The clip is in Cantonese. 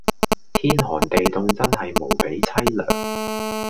天寒地涷真係無比淒涼